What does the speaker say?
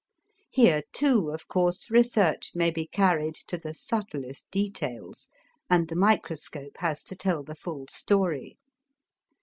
Here too, of course, research may be carried to the subtlest details and the microscope has to tell the full story.